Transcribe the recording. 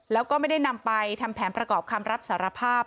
แล้วก็ไม่ได้นำไปทำแผนประกอบคำรับสารภาพ